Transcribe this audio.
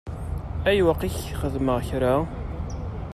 Ayweq i k-xedmeɣ kra?